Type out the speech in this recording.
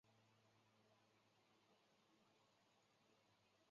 米野会战为关原之战的前哨战。